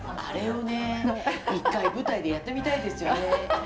あれをね一回舞台でやってみたいですよね。